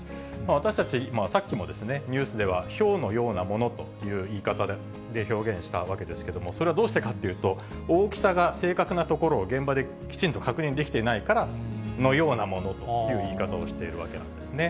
私たち、さっきもニュースでは、ひょうのようなものという言い方で表現したわけですけれども、それはどうしてかって言うと、大きさが正確なところを現場できちんと確認できていないから、のようなものという言い方をしているわけなんですね。